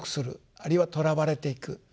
あるいはとらわれていく。